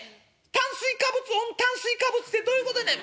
「炭水化物オン炭水化物ってどういうことやねん。